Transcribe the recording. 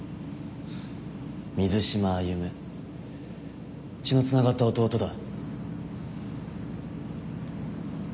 水島歩血のつながった弟だ